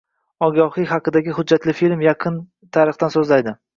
Ogahiy haqidagi hujjatli film yaqin tarixdan so‘zlaydi